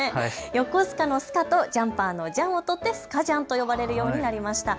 横須賀のスカとジャンパーのジャンを取ってスカジャンと呼ばれるようになりました。